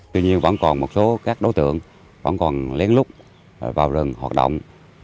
tuy nhiên vẫn còn một số các đối tượng vẫn còn lén lút vào rừng hoạt động